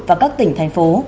và các tỉnh thành phố